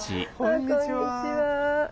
あこんにちは。